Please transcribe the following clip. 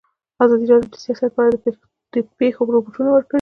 ازادي راډیو د سیاست په اړه د پېښو رپوټونه ورکړي.